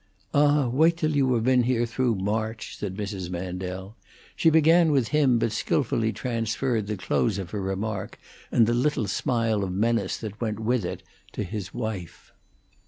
"Ah, wait till you have been here through March!" said Mrs. Mandel. She began with him, but skillfully transferred the close of her remark, and the little smile of menace that went with it, to his wife.